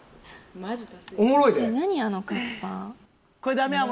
マジで。